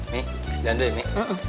nih jalan dulu ya mi